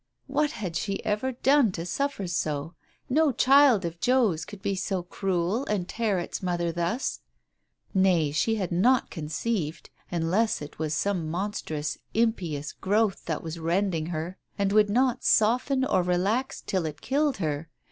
What had she ever done to suffer so ? No child of Joe's could be so cruel and tear its mother thus !... Nay, she had not conceived, unless it was some mon strous impious growth that was rending her, and would not soften or relax till it killed her.